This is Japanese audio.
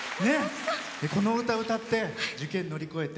この歌、歌って受験乗り越えて。